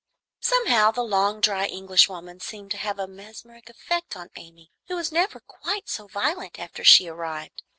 Somehow the long, dry Englishwoman seemed to have a mesmeric effect on Amy, who was never quite so violent after she arrived.